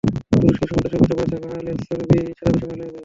তুরস্কের সমুদ্রসৈকতে পড়ে থাকা আয়লানের ছবি সারা বিশ্বে ভাইরাল হয়ে যায়।